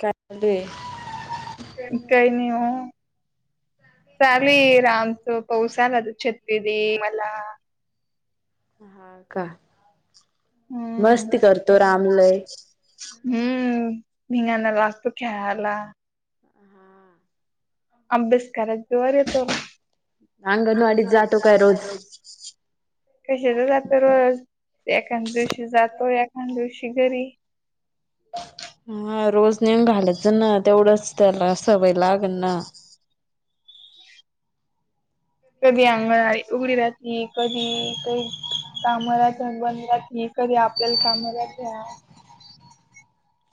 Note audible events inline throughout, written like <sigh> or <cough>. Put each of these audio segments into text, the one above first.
काय चालू हे? काय नाही हो चालु हे राम. तो पाऊस आला तर छत्री दि मला. हा का हम्म मस्ती करतो राम लय. हम्म धिंगाणा लागतो खेळायला. हा अभ्यास कराच जीवावर येतो. अंगणवाडीत जातो काय रोज? कशाच जातो रोज एखांद्या दिवशी जातो ए खाण दिवशी घरी. हा रोज नेऊन घालच ना तेवढंच त्याला सवय लागल ना. कधी अंगवाडी उघडी राहाती कधी काही. काम राहते बंद राहती कधी आपल्याला काम राहत्या.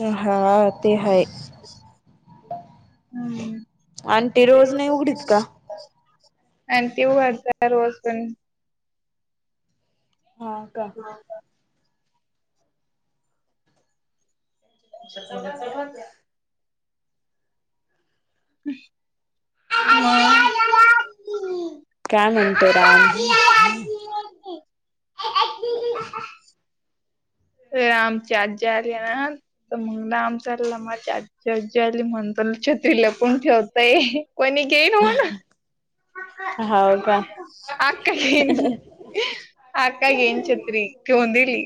हा हा. ते हाय हम्म अन ती रोज नाही उघडीत का? आणि ते वरत रोज पण. हा का? हाका कोण्याचा भाग या म काय म्हणतो राम? रे आमची आजी आली आज. तर मग ना आमचाल माझी आजी आजी आली म्हणून छत्री लाप. कोण ठेवतय कोणी घेईल म्ह हाव का? अक्का घेईन. अक्का घेईन छत्री ठेऊन दिली.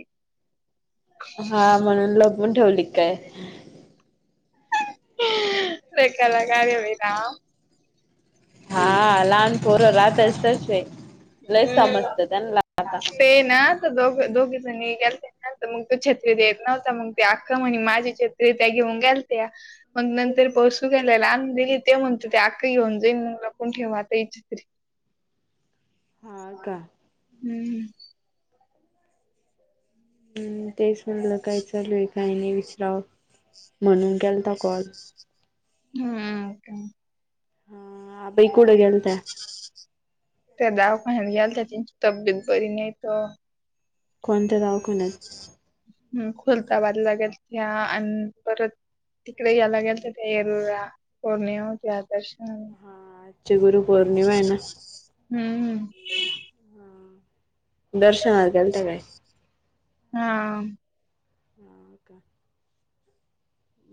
हा म्हणून लगून ठेवली काय? लय कलाकार बाई राम. हा लहान पोरं राहत्याच तशे लय समजत त्याना आता. तेे ना तर दोघ दोघी जणी गेल त्या. मग तो छत्री देत नव्हता मग ते आक्का म्हणे माझी छत्रीये त्या घेऊन गेल त्या मग नंतर परसू त्याला आणून दिली ते म्हणते ते आक्का येऊन जाईन लपून ठेवा ता छत्री. हा का? हम्म. हम्म तेच म्हटलं काय चालूय काही नाही विचराव म्हणून केलता कॉल. हम्म. बई कुठ घेलत्या? त्या दावाखान्यात गेल त्या त्यांची तब्येत बरी नाहीत कोणत्या दवाखान्यात? ह खुलताबादला गेलत्या आणि परत. तिकडे यायला गेल त्या येरुळ ला पौर्णिमा होती आज आदर्श. हा आजची गुरु पौर्णिमा आहे ना. हम्म हम् दर्शनाला गेलता काय? हा ह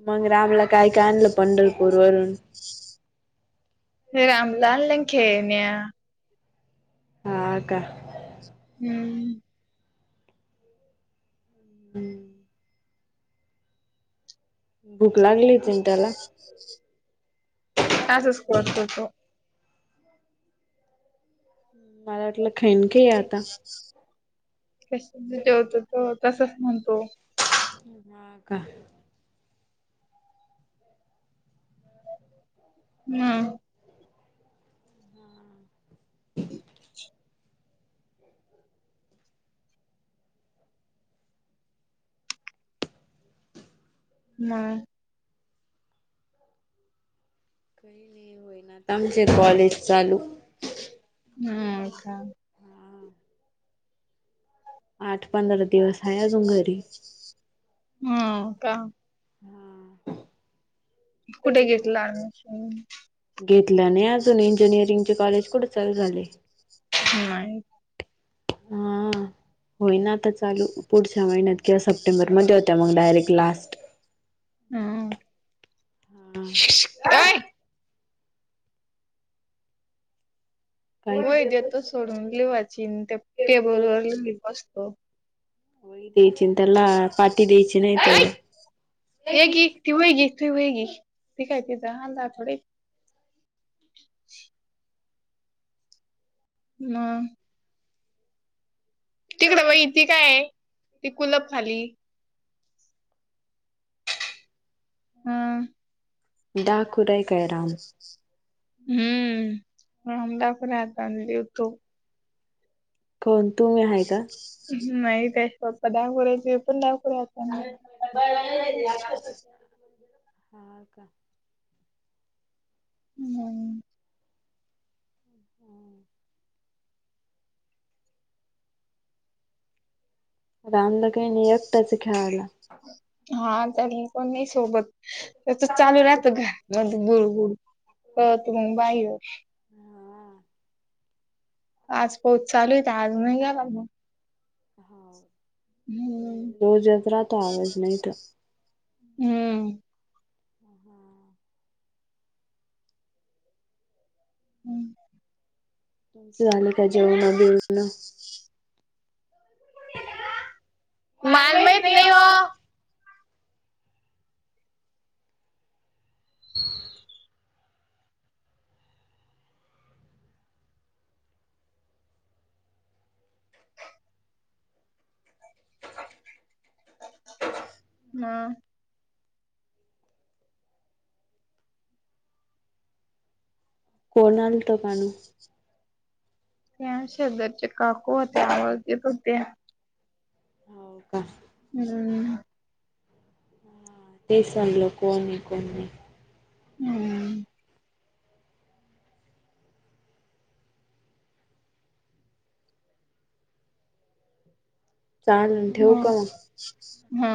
मग रामला काय काय आणलं पंढरपूर वरून? रामला आन ना खेळण्या हा का हम्म हम्म भूक लागलीच त्याला? आसच करतो तो. मला वाटलं खाईन काइ आता कशाचा जेवतो तो तसच म्हणतो. हा का. हम्म म काही नाही होईना आता आमचे कॉलेज चालू हम्म का हा आठ पंधरा दिवस आहे अजून घरी हो का हा कुठे घेतला अ‍ॅडमिशन घेतल्याने अजून इंजिनिअरिंग चे कॉलेज कुठे चालू झाले नाही हा होईन आता चालू चालू पुढच्या महिन्यात किंवा सप्टेंबरमध्ये होत्या मग डायरेक्ट लास्ट. हम्म. शिक हं अय काय वही देतो सोडून लिवाची त्या टेबल वर लिवित बसतो. वळी द्यायची ना त्याला पाटी द्यायची नाही ऐ तर. ये की ती वही घी वही घी ती काय तिथ अंधार थोडं हे. म तिकडं वही ती काय आहे ती कुलप खाली. हा डाकुरा हे काय राम. हम्म राम डाकुऱ्या हातानं लिहतो. कोण तुम्ही हाय का नाही त्याचे पप्पा डाकुरे आहेत ते पण डाकुऱ्या हातानं लिहतो. मह राहिलेली आताशिक हम्म <unintelligible> रामला काही नाही एकटाच हे खेळायला. हा तरी पण मी सोबत त्याच चालू राहत घ. मध्ये गुड गुळ पळत मग बाहेर <inaudible> आज पाऊस चालू आहे तर आज नाही गेला मग? हा हम्म नाहीत रोज यत राहतो आवाज नाही तर. हम्म <inaudible> हम्म तुमच झाले का जेवण बिवण? माल माहित नाही ओ. <inaudible> म? कोण आलत काणू त्या शेजारच्या काकू होत्या आवाज देत होत्या हो का? हम्म तेच म्हणलं कोण हे कोण नाही. हम्म चालेल ठेवू का मग हा?